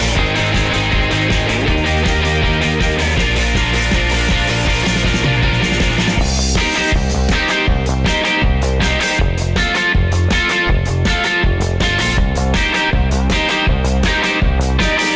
สวัสดิ์๓๐ครับผม